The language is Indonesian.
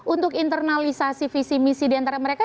untuk internalisasi visi misi diantara mereka